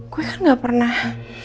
gue kan gak pernah